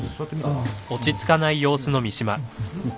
ああ。